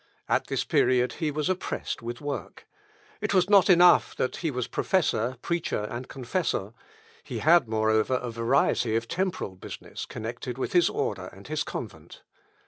At this period he was oppressed with work; it was not enough that he was professor, preacher, and confessor; he had, moreover, a variety of temporal business connected with his order and his convent.